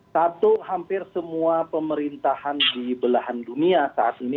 satu hampir semua pemerintahan di belahan dunia saat ini